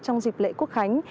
trong dịp lễ quốc khánh